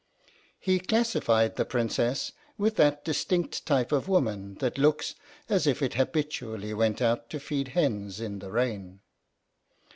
He classified the Princess with that distinct type of woman that looks as if it habitually went out to feed hens in the rain.